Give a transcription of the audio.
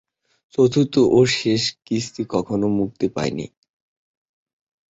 চতুর্থ ও শেষ কিস্তি কখনো মুক্তি পায়নি।